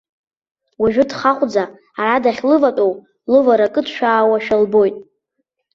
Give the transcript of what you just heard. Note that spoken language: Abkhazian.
Уажәы дхаҟәӡа ара дахьлыватәоу, лывара кыдшәаауашәа лбоит.